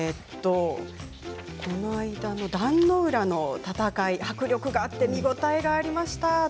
この間の壇ノ浦の戦い迫力があって見応えがありました。